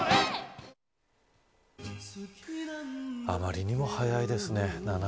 あまりにも早いですね。